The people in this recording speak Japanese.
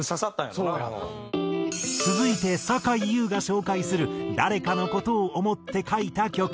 続いてさかいゆうが紹介する誰かの事を想って書いた曲。